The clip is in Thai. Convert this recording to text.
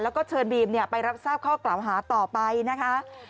แล้วก็เชิญบีมไปรับทราบข้อกล่าวหาต่อไปนะคะ